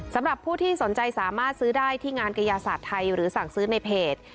สำหรับผู้ที่สนใจสามารถซื้อได้ที่งานกระยาศาสตร์ไทยหรือสั่งซื้อในเพจ